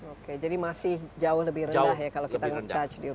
oke jadi masih jauh lebih rendah ya kalau kita nge charge di rumah